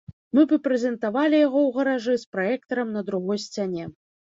Мы б і прэзентавалі яго ў гаражы, з праектарам на другой сцяне.